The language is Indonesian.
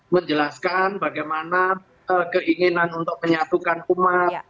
menjelaskan bagaimana keinginan untuk menyatukan umat